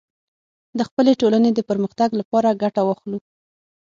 د خپلې ټولنې د پرمختګ لپاره ګټه واخلو